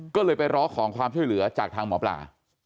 ก็เลยไปร้องขอความช่วยเหลือจากทางหมอปลา